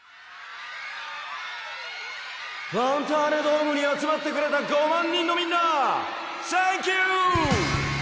ファンターネドームにあつまってくれた５まんにんのみんなサンキュー！